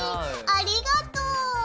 ありがとう。